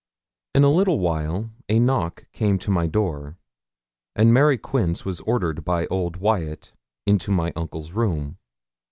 In a little while a knock came to my door, and Mary Quince was ordered by old Wyat into my uncle's room.